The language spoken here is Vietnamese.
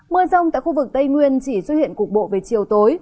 mưa rông tại khu vực tây nguyên chỉ xuất hiện cục bộ về chiều tối